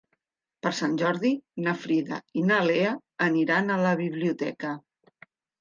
Per Sant Jordi na Frida i na Lea aniran a la biblioteca.